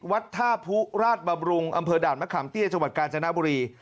วัดท่าผู้ราชบำรุงอำเภอด่านมะขามเตี้ยจังหวัดกาญจนบุรี